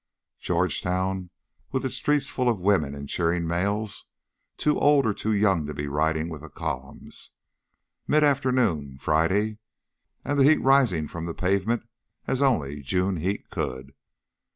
Georgetown with its streets full of women and cheering males, too old or too young to be riding with the columns. Mid afternoon, Friday, and the heat rising from the pavement as only June heat could.